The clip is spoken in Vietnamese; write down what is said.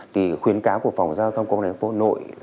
thì khuyến cáo của phòng giáo dân quân hình phố hà nội